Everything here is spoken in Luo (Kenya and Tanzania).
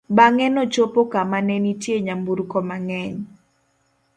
bang'e nochopo kama ne nitie nyamburko mang'eny